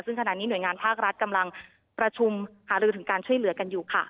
ซึ่งขณะนี้หน่วยงานภาครัฐกำลังประชุมหารือถึงการช่วยเหลือกันอยู่ค่ะ